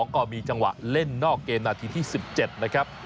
ก็มีจังหวะเล่นนอกเกมนาทีที่๑๗นะครับ